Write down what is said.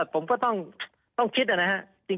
ผมก็ต้องต้องต้องคิดอะไรเวะ